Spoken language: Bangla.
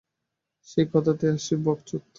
সেই কথাতেই আসছি, বকচোদ!